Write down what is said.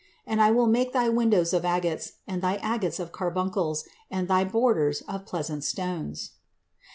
And I will make thy windows of agates, and thy gates of carbuncles, and all thy borders of pleasant stones.